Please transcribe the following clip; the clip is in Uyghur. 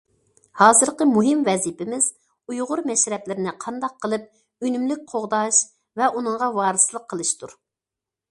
ھازىرقى مۇھىم ۋەزىپىمىز ئۇيغۇر مەشرەپلىرىنى قانداق قىلىپ ئۈنۈملۈك قوغداش ۋە ئۇنىڭغا ۋارىسلىق قىلىشتۇر.